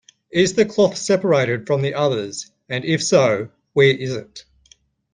Is the cloth separated from the others, and if so where is it?